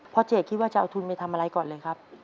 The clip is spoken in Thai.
เจดคิดว่าจะเอาทุนไปทำอะไรก่อนเลยครับ